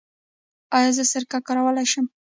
ایا زه سرکه کارولی شم؟